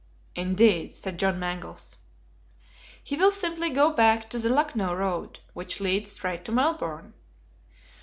"Indeed!" said John Mangles. "He will simply go back to the Lucknow Road which leads straight to Melbourne."